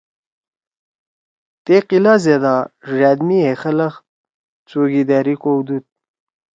تے قلعہ زیدا ڙأت می ہے خلگ څوکیداری کؤدُود۔